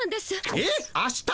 えっあした？